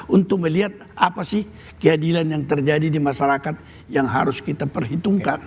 untuk melihat apa sih keadilan yang terjadi di masyarakat yang harus kita perhitungkan